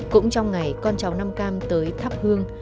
cũng trong ngày con cháu nam cam tới thắp hương